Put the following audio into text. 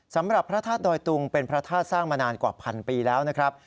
สำหรับพระธาตุดอยตุงเป็นพระธาตุสร้างมานานกว่าพันปีแล้วนะครับ